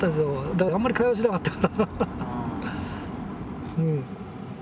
だからあんまり会話しなかったから。